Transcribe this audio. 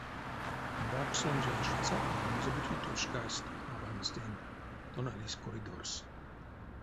Вакссонзо аштицятне мезе-бути тошкасть аванстэнь, тона лиссь коридорс.